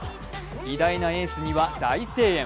偉大なエースには大声援。